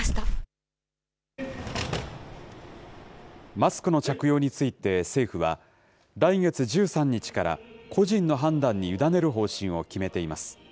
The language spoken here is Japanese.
マスクの着用について、政府は、来月１３日から、個人の判断に委ねる方針を決めています。